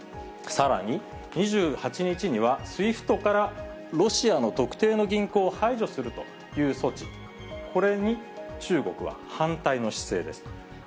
さらに、２８日には、ＳＷＩＦＴからロシアの特定の銀行を排除するという措置、これに中国は反対の姿勢です。